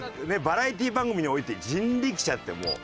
バラエティー番組において人力舎ってもう。